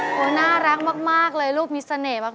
น่ารักมากเลยลูกมีเสน่ห์มาก